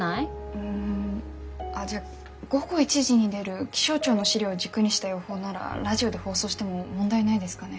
うんあっじゃあ午後１時に出る気象庁の資料を軸にした予報ならラジオで放送しても問題ないですかね？